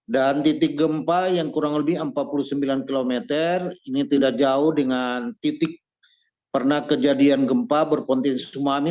titik gempa yang kurang lebih empat puluh sembilan km ini tidak jauh dengan titik pernah kejadian gempa berpotensi tsunami